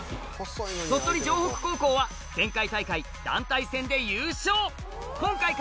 鳥取城北高校は前回大会団体戦で優勝